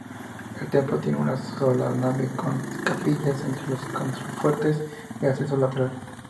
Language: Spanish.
El templo tiene una sola nave, con capillas entre los contrafuertes y acceso lateral.